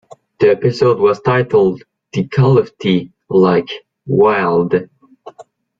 The episode was titled "The Call of the, Like, Wild".